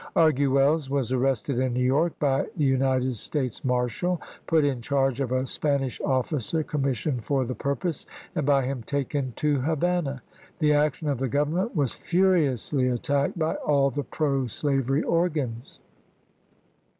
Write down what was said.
Arguelles was arrested in New York by the United States marshal, put in charge of a Spanish officer commissioned for the purpose, and by him taken to Havana. The action of the Government was furiously attacked by all the pro slavery organs.